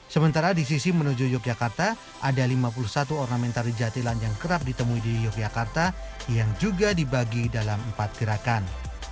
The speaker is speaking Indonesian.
sementara di sisi menuju yogyakarta ada lima puluh satu ornamentari jatilan yang kerap ditemui di yogyakarta yang juga dibagi dalam empat gerakan